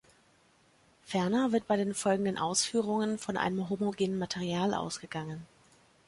Ferner wird bei den folgenden Ausführungen von einem homogenen Material ausgegangen.